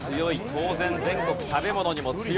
当然全国食べ物にも強い。